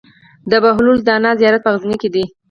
د بهلول دانا زيارت په غزنی کی دی